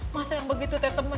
masa yang begitu teh temen